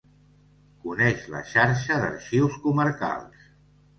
Coneix la Xarxa d'Arxius Comarcals.